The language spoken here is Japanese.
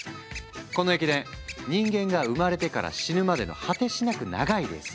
この駅伝人間が生まれてから死ぬまでの果てしなく長いレース。